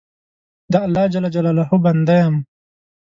د الله جل جلاله بنده یم.